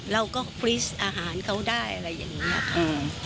เราก็ปรีสอาหารเขาได้อะไรอย่างนี้ค่ะ